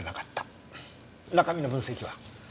中身の分析は？